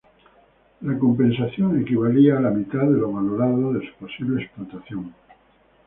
La compensación equivalía a la mitad de lo valorado de su posible explotación.